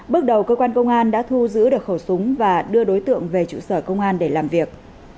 bước đầu cơ quan công an đã thu giữ được khẩu súng và đưa đối tượng về trụ sở công an để làm việc